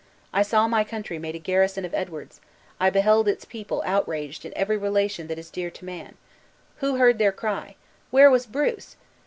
I saw my country made a garrison of Edward's, I beheld its people outraged in every relation that is dear to man. Who heard their cry? Where was Bruce?